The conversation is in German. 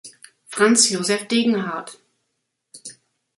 Franz Josef Degenhard